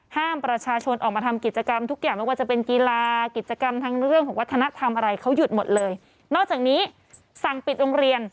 ห้ามประชาชนออกมาทำกิจกรรมทุกอย่าง